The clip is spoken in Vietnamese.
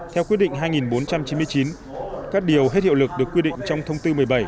theo quyết định hai nghìn bốn trăm chín mươi chín các điều hết hiệu lực được quy định trong thông tư một mươi bảy